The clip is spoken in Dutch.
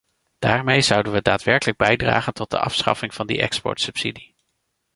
Daarmee zouden we daadwerkelijk bijdragen tot de afschaffing van die exportsubsidie.